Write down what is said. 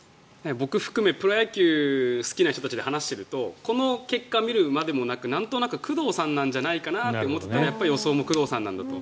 僕含めプロ野球が好きな人で話しているとこの結果を見るまでもなくなんとなく工藤さんじゃないかなって思っていたらやっぱり予想も工藤さんなんだと。